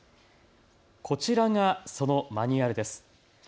こちらがそのマニュアルです。